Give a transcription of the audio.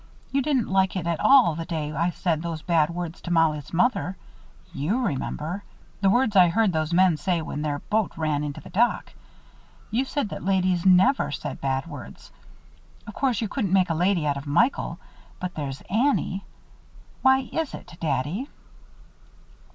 You didn't like it at all the day I said those bad words to Mollie's mother. You remember. The words I heard those men say when their boat ran into the dock. You said that ladies never said bad ones. Of course you couldn't make a lady out of Michael; but there's Annie. Why is it, Daddy?"